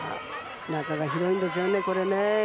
中が広いんですよね、これね。